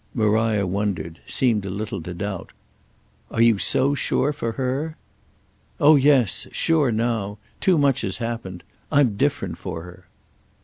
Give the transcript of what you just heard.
Maria wondered, seemed a little to doubt. "Are you so sure for her?" "Oh yes—sure now. Too much has happened. I'm different for her."